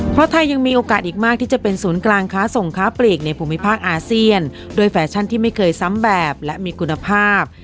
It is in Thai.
เพราะไทยยังมีโอกาสอีกมากที่จะเป็นศูนย์กลางค้าส่งค้าปลีกในภูมิภาคอาเซียนด้วยแฟชั่นที่ไม่เคยซ้ำแบบและมีคุณภาพ